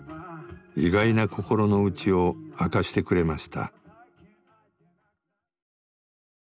意外な心の内を明かしてくれました。